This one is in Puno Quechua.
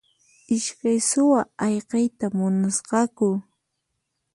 Iskay suwa ayqiyta munasqaku.